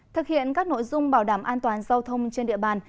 thực hiện các nội dung bảo đảm an toàn giao thông trên địa bàn